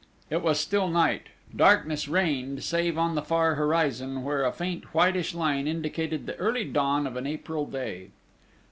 It was still night; darkness reigned save on the far horizon, where a faint, whitish line indicated the early dawn of an April day.